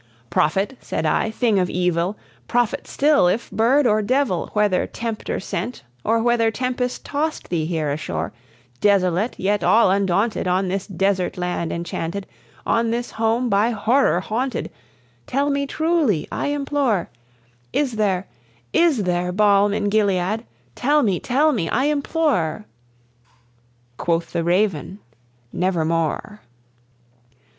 "Prophet," said I, "thing of evil prophet still, if bird or devil! Whether tempter sent, or whether tempest tossed thee here ashore Desolate, yet all undaunted, on this desert land enchanted, On this home by horror haunted tell me truly, I implore, Is there is there balm in Gilead? tell me, tell me, I implore!" Quoth the Raven, "Nevermore."